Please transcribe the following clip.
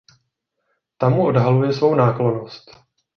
Ta mu odhaluje svou náklonnost.